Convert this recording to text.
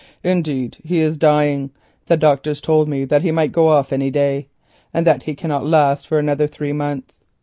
Indeed he is dying; the doctors told me that he might go off any day, and that he cannot last for another three months.